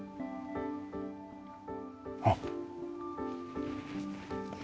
あっ。